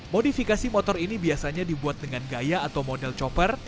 modifikasi motor ini biasanya dibuat dengan gaya atau model chopper